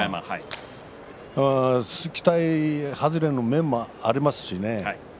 期待外れの面もありますしね。